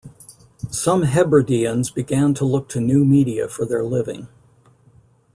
Some Hebrideans began to look to new media for their living.